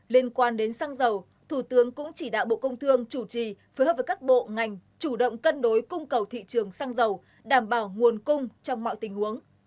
liên quan đến xăng dầu thủ tướng cũng chỉ đạo bộ công thương chủ trì phối hợp với các bộ ngành chủ động cân đối cung cầu thị trường xăng dầu đảm bảo nguồn cung trong mọi tình huống